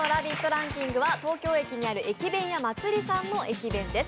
ランキングは東京駅にある駅弁屋祭さんの駅弁です。